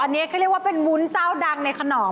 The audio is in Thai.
อันนี้ก็เรียกว่าเป็นวุ้นเจ้าดังในขนอม